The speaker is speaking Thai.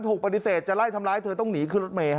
ถูกปฏิเสธจะไล่ทำร้ายเธอต้องหนีขึ้นรถเมย์